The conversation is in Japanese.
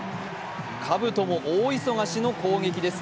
かぶとも大忙しの攻撃です。